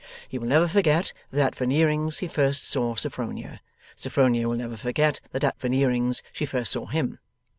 He will never forget that at Veneering's he first saw Sophronia. Sophronia will never forget that at Veneering's she first saw him.